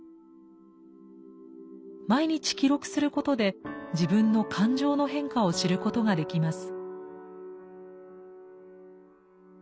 毎日記録することで自分の感情の変化を知ることができます。